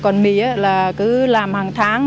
còn mía là cứ làm hàng tháng